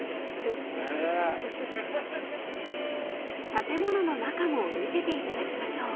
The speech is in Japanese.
［建物の中も見せていただきましょう］